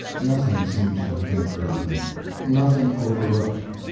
Nothing seems to have been forgotten, nothing over looked.